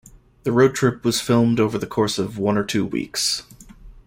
The road trip was filmed over the course of one or two weeks.